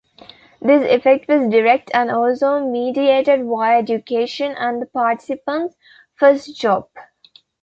This effect was direct and also mediated via education and the participant's first job.